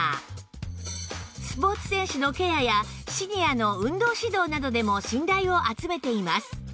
スポーツ選手のケアやシニアの運動指導などでも信頼を集めています